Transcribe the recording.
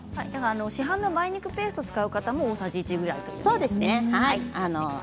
市販の梅肉ペーストを使う方も大さじ１杯ということですね。